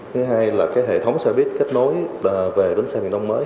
thứ hai là cái hệ thống xe buýt kết nối về đến xe hành động mới